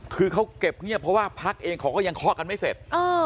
คือเขาเก็บเงียบเพราะว่าพักเองเขาก็ยังเคาะกันไม่เสร็จ